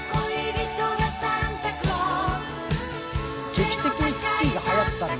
劇的にスキーがはやったんですよね？